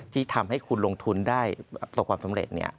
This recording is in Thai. ที่ทำให้คุณลงทุนได้ประสบความสำเร็จ